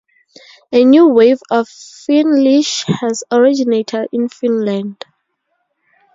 A new wave of Finglish has originated in Finland.